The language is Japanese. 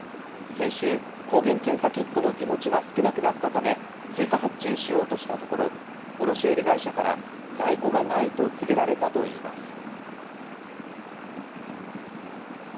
先週、抗原検査キットの手持ちが少なくなったため、追加発注しようとしたところ、卸売り会社から、在庫がないと告げられたといいます。